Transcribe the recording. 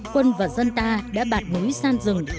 quân và dân ta đã bạt núi san rừng